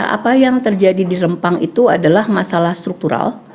apa yang terjadi di rempang itu adalah masalah struktural